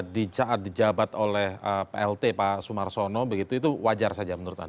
di saat dijabat oleh plt pak sumarsono begitu itu wajar saja menurut anda